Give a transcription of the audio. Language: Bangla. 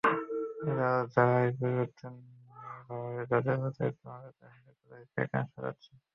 যাঁরা জলবায়ু পরিবর্তনের প্রভাবে তাঁদের প্রচলিত জীবনযাত্রা হারিয়েছেন, তাঁদেরই একাংশ যাচ্ছেন।